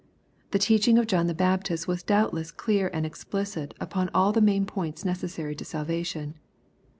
The teaching of John the Baptist was doubt less clear and explicit upon all the main points necessary to salvation.